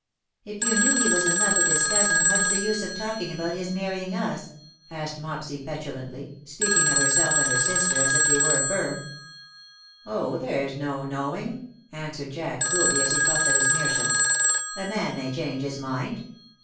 " If you knew he was in love with his cousin, what^s the use of talking about his marrying us ?'^ asked Mopsy petulantly, speaking of herself and her sister as if they were a firm. " Oh, there's no knowing," answered Jack, coolly, as he puffed at his meerschaum. " A man may change his mind.